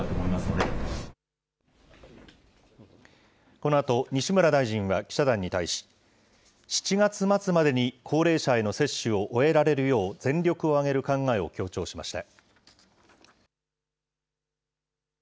このあと、西村大臣は記者団に対し、７月末までに高齢者への接種を終えられるよう、全力を挙げる考えを強調しました。